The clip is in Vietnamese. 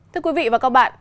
thưa quý vị và các bạn